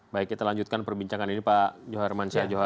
baik kita lanjutkan perbincangan ini pak jokar mansyah johan